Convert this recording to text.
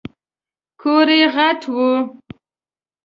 کور یې غټ و .